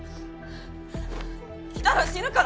来たら死ぬから。